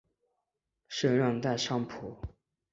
圣让代尚普。